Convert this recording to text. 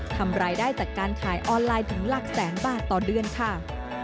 ทำรายได้จากการขายออนไลน์ถึงหลักแสนบาทต่อเดือนค่ะ